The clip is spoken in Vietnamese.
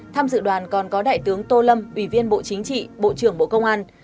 tham dự đoàn còn có đại tướng tô lâm ủy viên bộ chính trị bộ trưởng bộ công an